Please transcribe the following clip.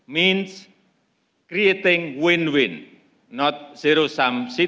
menjadi tanggung jawab artinya menciptakan kemenangan